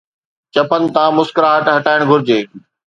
چپن تان مسڪراهٽ هٽائڻ گهرجي